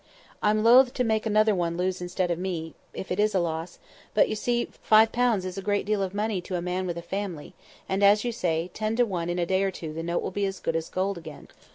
"I'm loth to make another one lose instead of me, if it is a loss; but, you see, five pounds is a deal of money to a man with a family; and, as you say, ten to one in a day or two the note will be as good as gold again."